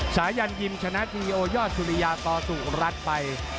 สายันยิมชนะทีโอยอดสุริยากอสุรัตน์ไป